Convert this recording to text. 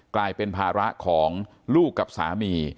กลายเป็นภาระของลูกกับสามี